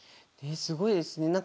すごいですね。